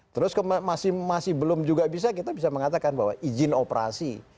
terus masih belum juga bisa kita bisa mengatakan bahwa izin operasi